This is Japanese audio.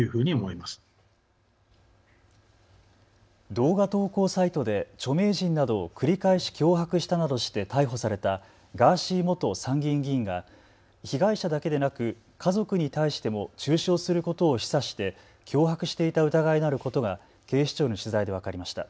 動画投稿サイトで著名人などを繰り返し脅迫したなどして逮捕されたガーシー元参議院議員が被害者だけでなく家族に対しても中傷することを示唆して脅迫していた疑いのあることが警視庁への取材で分かりました。